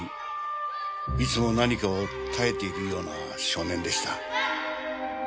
いつも何かを耐えているような少年でした。